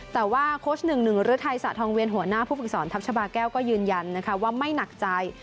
แต่ว่าโค้ชหนึ่งหนึ่งฤทัยสะทองเวียนหัวหน้าผู้ฝึกสอนทัพชาบาแก้วก็ยืนยันนะคะว่าไม่หนักใจ